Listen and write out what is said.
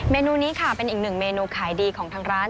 เนนูนี้ค่ะเป็นอีกหนึ่งเมนูขายดีของทางร้าน